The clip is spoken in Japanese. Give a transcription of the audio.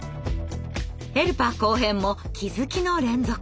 ヘルパー後編も気付きの連続。